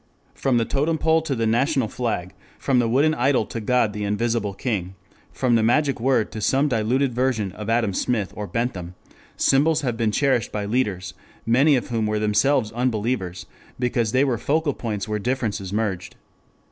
From the totem pole to the national flag, from the wooden idol to God the Invisible King, from the magic word to some diluted version of Adam Smith or Bentham, symbols have been cherished by leaders, many of whom were themselves unbelievers, because they were focal points where differences merged.